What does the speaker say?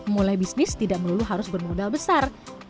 mulai bisnis tidak melulu harus bermodal besar